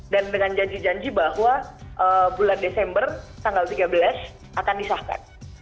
dan dengan janji janji bahwa bulan desember tanggal tiga belas akan disahkan